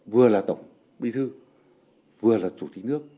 vừa là tổng bí thư vừa là chủ tịch nước